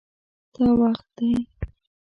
دا وخت دی